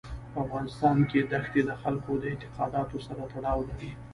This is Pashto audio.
په افغانستان کې دښتې د خلکو د اعتقاداتو سره تړاو لري.